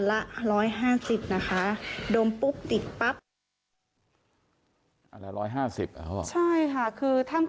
เศรษฐกิจไม่ดีมันมีข่าวนี้อยู่ในช่วงนี้ใช่ไหมล่ะ